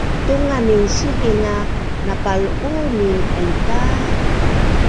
Tunganin siking a napal’unin aingka